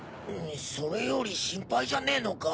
それより心配じゃねえのか？